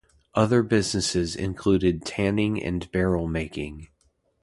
Other businesses included tanning and barrel making.